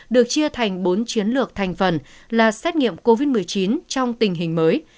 được chia thành bốn chiến lược thành phần là xét nghiệm covid một mươi chín trong tình hình mới